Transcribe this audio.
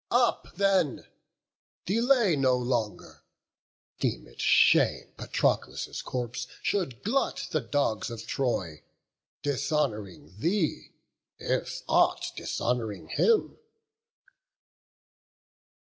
Up then! delay no longer; deem it shame Patroclus' corpse should glut the dogs of Troy, Dishon'ring thee, if aught dishonour him."